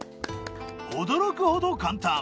驚くほど簡単！